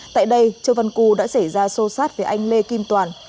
tại đây châu văn cư đã xảy ra sô sát với anh lê kim toàn